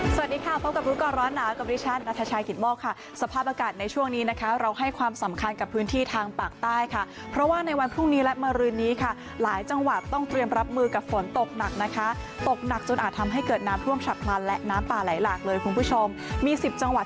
สวัสดีค่ะพบกับรู้ก่อนร้อนหนาวกับดิฉันนัทชายกิตโมกค่ะสภาพอากาศในช่วงนี้นะคะเราให้ความสำคัญกับพื้นที่ทางปากใต้ค่ะเพราะว่าในวันพรุ่งนี้และมารืนนี้ค่ะหลายจังหวัดต้องเตรียมรับมือกับฝนตกหนักนะคะตกหนักจนอาจทำให้เกิดน้ำท่วมฉับพลันและน้ำป่าไหลหลากเลยคุณผู้ชมมีสิบจังหวัด